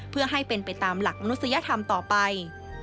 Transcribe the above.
เพื่อให้เป็นไปตามหลักมนุษยธรรมต่อไป